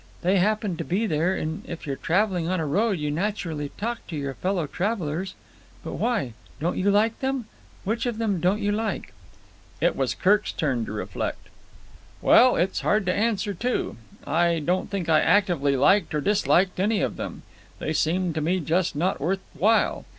They happen to be there, and if you're travelling on a road you naturally talk to your fellow travellers. But why? Don't you like them? Which of them didn't you like?" It was Kirk's turn to reflect. "Well, that's hard to answer, too. I don't think I actively liked or disliked any of them. They seemed to me just not worth while.